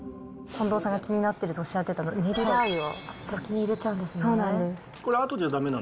近藤さんが気になってるとおっしゃってたねりラー油を先に入そうなんです。